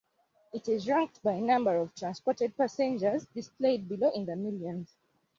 It is ranked by number of transported passengers displayed below in the millions.